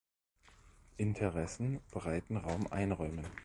Interessen breiten Raum einräumen“.